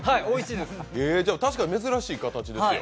確かに珍しい形ですよ。